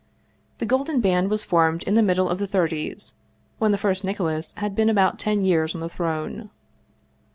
The Golden Band was formed in the middle of the thirties, when the first Nicholas had been about ten years on the throne.